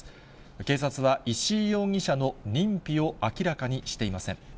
警察は、石井容疑者の認否を明らかにしていません。